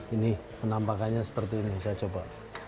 ini penampakannya seperti ini saya coba